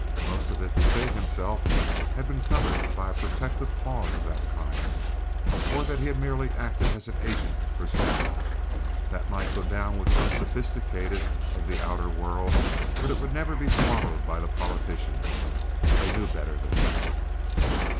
(most of it, to save himself, had been covered by a protective clause of that kind), or that he had merely acted as an agent for Stener. That might go down with the unsophisticated of the outer world, but it would never be swallowed by the politicians. They knew better than that.